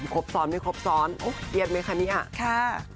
ครบซ้อนมั้ยครบซ้อนโอ๊ยเตียดมั้ยคะนี่อ่ะ